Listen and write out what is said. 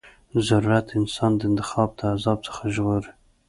ضرورت انسان د انتخاب د عذاب څخه ژغوري.